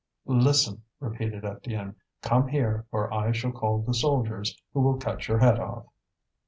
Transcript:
"Listen!" repeated Étienne. "Come here, or I shall call the soldiers, who will cut your head off."